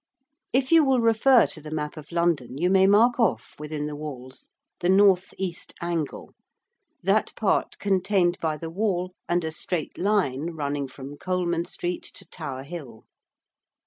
If you will refer to the map of London you may mark off within the walls the North East angle: that part contained by the wall and a straight line running from Coleman Street to Tower Hill.